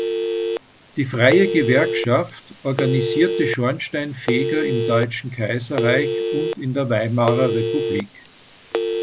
Die freie Gewerkschaft organisierte Schornsteinfeger im Deutschen Kaiserreich und in der Weimarer Republik.